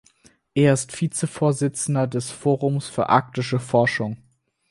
Er ist Vizevorsitzender des Forums für Arktische Forschung.